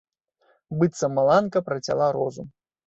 Быццам маланка працяла розум.